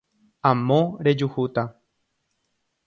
Amo rejuhúta